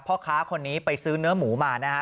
พ่อค้าคนนี้ไปซื้อเนื้อหมูมานะฮะ